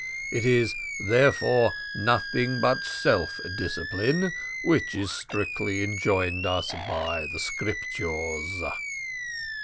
It is, therefore, nothing but self discipline, which is strictly enjoined us by the Scriptures."